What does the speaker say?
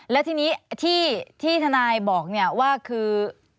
แล้วทีนี้ที่ทนายบอกว่าคือ